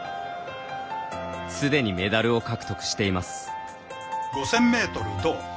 すでにメダルを獲得しています。